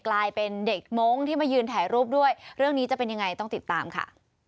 กลายเป็นเด็กมงค์ที่มายืนถ่ายรูปด้วยเรื่องนี้จะเป็นยังไงต้องติดตามค่ะ